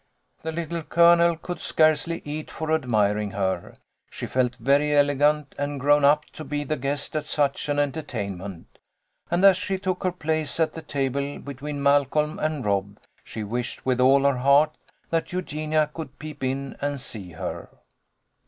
The Little Colonel could scarcely eat for admiring her. She felt very elegant and grown up to be the guest at such an entertainment, and as she took her place at the table between Malcolm and Rob, she THE BUTTERFLY CARNIVAL. THE DAY AFTER THANKSGIVING. 183 wished with all her heart that Eugenia could peep in and see her.